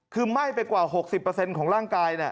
คือไหม้ไปกว่า๖๐ของร่างกาย